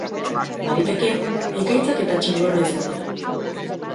Baliteke, ekaitzak eta txingorra izatea.